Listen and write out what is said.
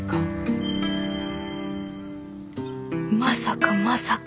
まさかまさか。